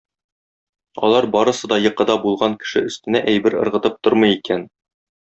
Алар барысы да йокыда булган кеше өстенә әйбер ыргытып тормый икән.